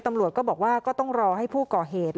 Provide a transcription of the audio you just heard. ตำรวจก็บอกว่าก็ต้องรอให้ผู้ก่อเหตุ